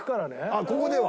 あっここでは？